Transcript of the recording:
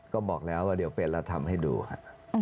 ก็บอกแล้วว่าเดี๋ยวเป็นเราทำให้ดูครับ